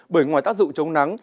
bởi ngoài tác dụng chống nắng